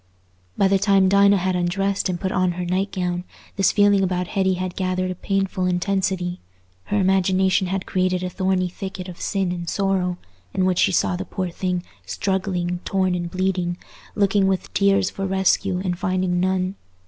By the time Dinah had undressed and put on her night gown, this feeling about Hetty had gathered a painful intensity; her imagination had created a thorny thicket of sin and sorrow, in which she saw the poor thing struggling torn and bleeding, looking with tears for rescue and finding none.